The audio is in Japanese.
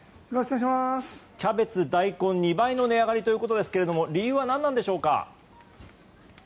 キャベツ、ダイコン２倍の値上がりということですが理由は何なんでしょうか。